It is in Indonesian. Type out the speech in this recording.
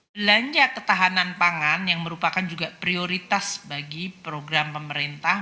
belanja ketahanan pangan yang merupakan juga prioritas bagi program pemerintah